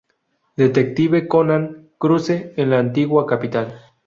Detective Conan: Cruce en la antigua capital